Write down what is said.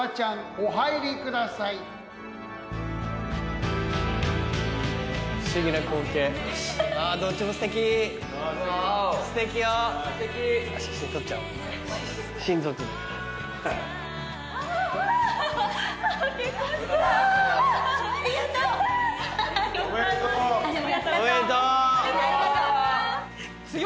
おめでとう。